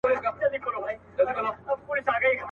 څوك به اوري فريادونه د زخميانو.